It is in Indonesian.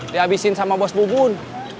dihabisin sama bos bubun